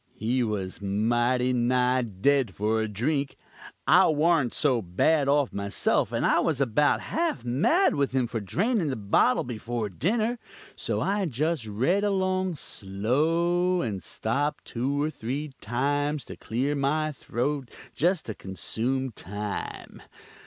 He was mighty nigh dead for a drink. I warent so bad off myself, and I was about half mad with him for drainin' the bottle before dinner; so I just read along slow, and stopped two or three times to clear my throat just to consume time.